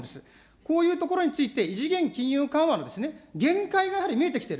こういうところについて異次元金融緩和の限界がやはり見えてきている。